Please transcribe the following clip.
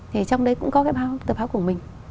thì trong đấy cũng có cái tờ báo của mình